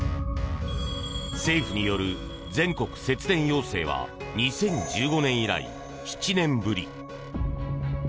政府による全国節電要請は２０１５年以来７年ぶり。